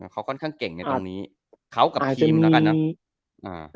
เขาค่อนข้างเก่งในตรงนี้เขากับทีมแล้วกันนะอ่า